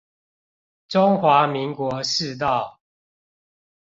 中華民國市道